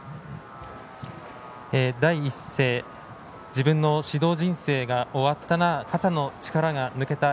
第一声自分の指導人生が終わったな肩の力が抜けた。